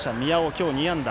今日２安打。